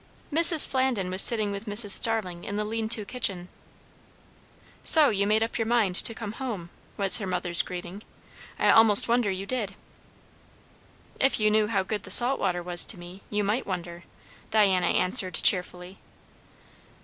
Mrs. Flandin was sitting with Mrs. Starling in the lean to kitchen. "So you made up your mind to come home," was her mother's greeting. "I almost wonder you did." "If you knew how good the salt water was to me, you might wonder," Diana answered cheerfully.